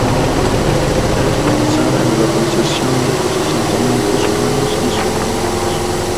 Es pensar en la localización de los asentamientos humanos y sus vínculos.